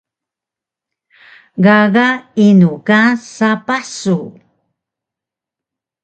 Gaga inu ka sapah su?